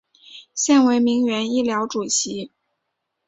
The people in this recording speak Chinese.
现为铭源医疗主席。